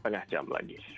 tengah jam lagi